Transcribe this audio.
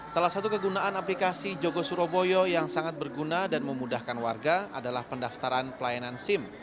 salah satu kegunaan aplikasi jogo suroboyo yang sangat berguna dan memudahkan warga adalah pendaftaran pelayanan sim